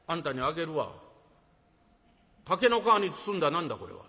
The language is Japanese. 「竹の皮に包んだ何だこれは？」。